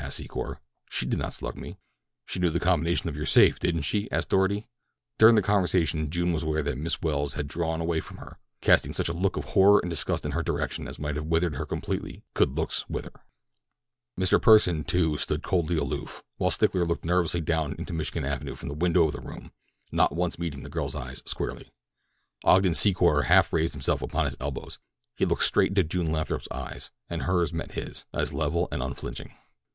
asked Secor. "She did not slug me." "She knew the combination to your safe didn't she?" asked Doarty. During the conversation June was aware that Miss Welles had drawn away from her, casting such a look of horror and disgust in her direction as might have withered her completely could looks wither. Mr. Pursen, too, stood coldly aloof, while Stickler looked nervously down into Michigan Avenue from the window of the room, not once meeting the girl's eyes squarely. Ogden Secor half raised himself upon his elbow. He looked straight into June Lathrop's eyes, and hers met his, as level and unflinching.